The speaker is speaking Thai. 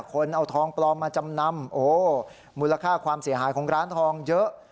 คนเอาทองปลอมมาจำนำโอ้มูลค่าความเสียหายของร้านทองเยอะ